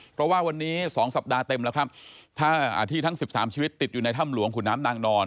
เพราะว่าวันนี้๒สัปดาห์เต็มแล้วครับถ้าที่ทั้ง๑๓ชีวิตติดอยู่ในถ้ำหลวงขุนน้ำนางนอน